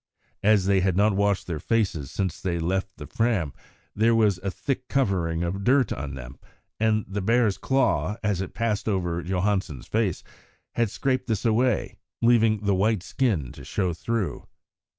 As they had not washed their faces since they left the Fram, there was a thick covering of dirt on them, and the bear's claw, as it passed over Johansen's face, had scraped this away, leaving the white skin to show through.